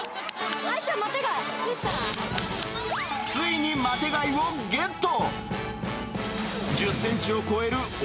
ついにマテ貝をゲット。